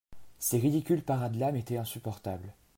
Ces ridicules parades-là m'étaient insupportables.